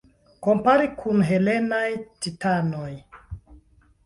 Komparu kun helenaj titanoj.